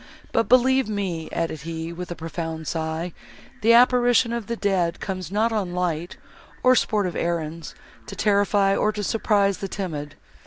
But believe me," added he, with a profound sigh, "the apparition of the dead comes not on light, or sportive errands, to terrify, or to surprise the timid."